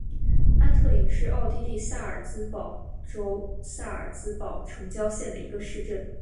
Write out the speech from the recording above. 安特灵是奥地利萨尔茨堡州萨尔茨堡城郊县的一个市镇。